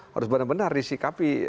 harus benar benar disikapi